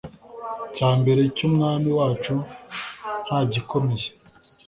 cya mbere cyUmwami wacu nta gikomeye